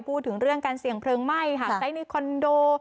พูดถึงเรื่องการเสี่ยงเพลิงไหม้หากใช้ในคอนโด